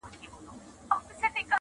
ستا خوږې خبري د سِتار سره سندري دي,